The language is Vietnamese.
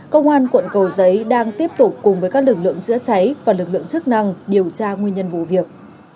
công an quận cầu giấy đang tiếp tục cùng với các lực lượng chữa cháy và lực lượng chức năng điều tra nguyên nhân vụ việc